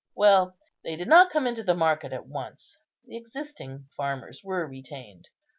Well, they did not come into the market at once; the existing farmers were retained.